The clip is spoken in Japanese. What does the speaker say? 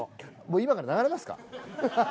今から流れますか？